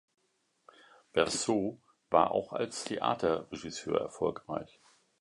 Bertheau war auch als Theaterregisseur erfolgreich.